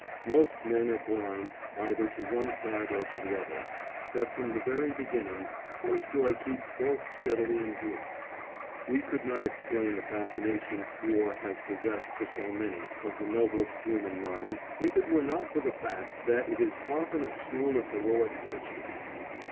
Most men are blind either to one side or to the other, but, from the very beginning, Tolstoy keeps both steadily in view. We could not explain the fascination war has possessed for so many of the noblest human minds if it were not for the fact that it is often a school of heroic virtue.